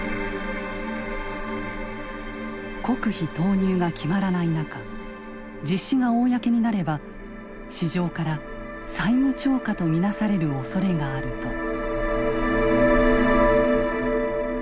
国費投入が決まらない中実施が公になれば市場から債務超過と見なされるおそれがあると。